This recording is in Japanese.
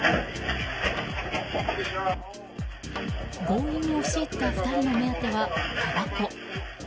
強引に押し入った２人の目当てはたばこ。